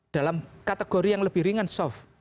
dalam kategori yang lebih ringan soft